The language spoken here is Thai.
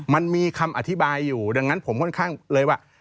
มันมีคำอธิบายอยู่ดังนั้นผมค่อนข้างเลยว่า